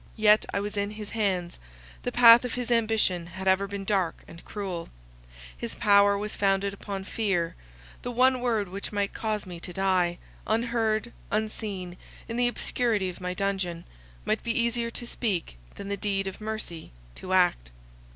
—Yet I was in his hands; the path of his ambition had ever been dark and cruel; his power was founded upon fear; the one word which might cause me to die, unheard, unseen, in the obscurity of my dungeon, might be easier to speak than the deed of mercy to act.